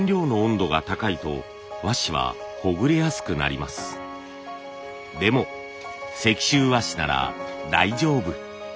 でも石州和紙なら大丈夫。